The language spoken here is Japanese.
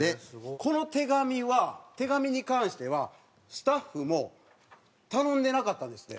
この手紙は手紙に関してはスタッフも頼んでなかったんですって。